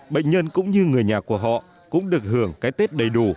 bệnh nhân cũng như người nhà của họ cũng được hưởng cái tết đầy đủ